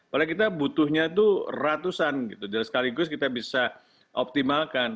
padahal kita butuhnya tuh ratusan gitu dan sekaligus kita bisa optimalkan